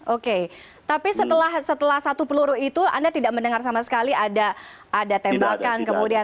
oke tapi setelah satu peluru itu anda tidak mendengar sama sekali ada tembakan kemudian